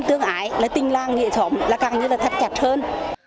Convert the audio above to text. tương ái tinh lang nghệ thống là càng như là thắt chặt hơn